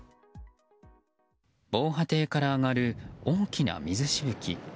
防波堤から上がる大きな水しぶき。